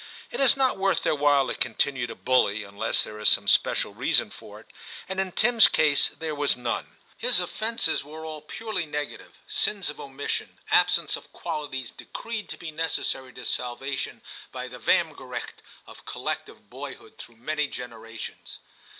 It is not worth their while to continue to bully, unless there is some special reason for it, and in Tim s case there was none ; his offences were all purely CHAP. VII TIM 141 negative, sins of omission, absence of qualities decreed to be necessary to salvation by the Vehm gericht of collective boyhood through many generations.